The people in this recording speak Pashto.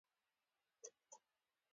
چې بېسده به کلينيکو ته وړل کېدل.